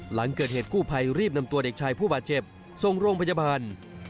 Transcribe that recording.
หลังเกิดเหตุกู้ภัยรีบนำตัวเด็กชายผู้บาดเจ็บส่งโรงพยาบาล